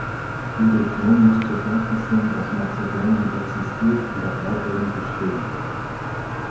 Die Region muss zur Kenntnis nehmen, dass Mazedonien existiert und auch weiterhin bestehen wird.